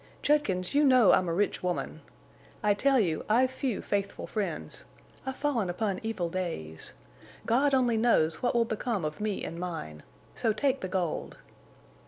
"Judkins, you know I'm a rich woman. I tell you I've few faithful friends. I've fallen upon evil days. God only knows what will become of me and mine! So take the gold."